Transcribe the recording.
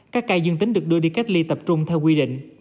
các ca dương tính được đưa đi cách ly tập trung theo quy định